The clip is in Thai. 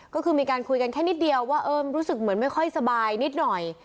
ก็คือมีการคุยกันแค่นิดเดียวว่ารู้สึกเหมือนไม่ค่อยสบายนิดหน่อย